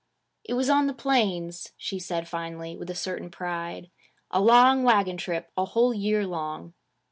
'It was on the plains,' she said finally, with a certain pride. 'A long wagon trip, a whole year long.'